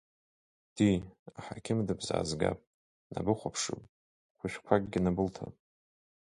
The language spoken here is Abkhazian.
Ди, аҳақьым дыбзаазгап, днабыхәаԥшып, хәышәқәакгьы набылҭап.